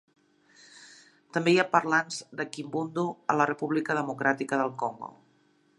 També hi ha parlants de kimbundu a la República Democràtica del Congo.